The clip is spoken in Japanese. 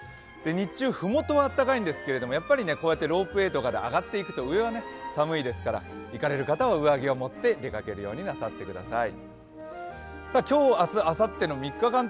日中、ふもとはあったかいんですけれどやっぱり、ロープウエーとかで上がっていくと上は寒いですから行かれる方は上着を持って出かけるようになさってください。